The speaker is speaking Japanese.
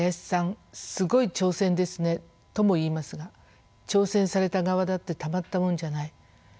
すごい挑戦ですね」とも言いますが挑戦された側だってたまったもんじゃない。